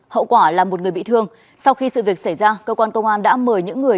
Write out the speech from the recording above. hậu quả là một người bị thương sau khi sự việc xảy ra cơ quan công an đã mời những người